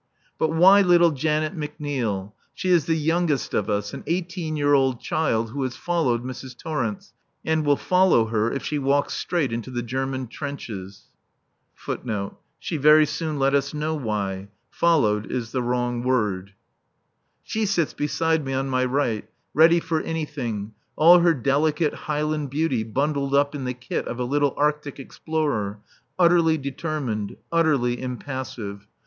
But why little Janet McNeil? She is the youngest of us, an eighteen year old child who has followed Mrs. Torrence, and will follow her if she walks straight into the German trenches. She sits beside me on my right, ready for anything, all her delicate Highland beauty bundled up in the kit of a little Arctic explorer, utterly determined, utterly impassive.